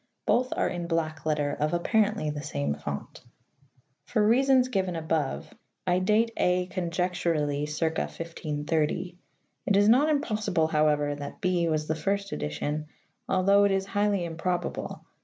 Both are in black letter of apparently the same font. For reasons given above (p. 10) I date (a) conjecturally circa 1530. It is not impossible, howe^•er, that (b) was the first edition, although it is highly improbable (see notes infra p. 103).